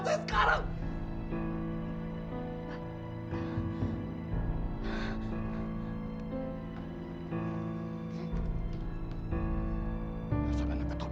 saya sekarang hai hai hai hai hai itu itu itu untuk berani mengajak kebawa pak pak